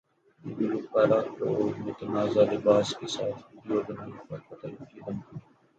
گلوکارہ کو متنازع لباس کے ساتھ ویڈیو بنانے پر قتل کی دھمکی